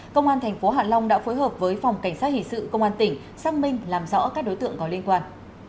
công an thành phố hạ long đã phối hợp với phòng cảnh sát hình sự công an tỉnh xác minh làm rõ các đối tượng có liên quan